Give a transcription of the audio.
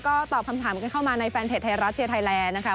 ก็ตอบคำถามกันเข้ามาในแฟนเพจไทยรัฐเชียร์ไทยแลนด์นะคะ